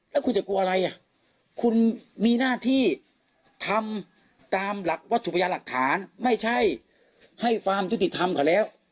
แล้วคุณจะกลัวอะไรอ่ะคุณมีหน้าที่ทำตามหลักวัตถุพยานหลักฐานไม่ใช่ให้ความยุติธรรมเขาแล้ว